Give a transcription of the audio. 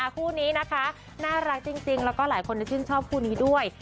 คู่นี้นะคะน่ารักจริงแล้วก็หลายคนชื่นชอบคู่นี้ด้วย